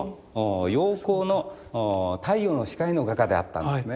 陽光の太陽の光の画家であったんですね。